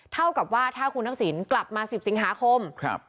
เท่ากับว่าถ้าคุณทักษิณกลับมา๑๐สิงหาคม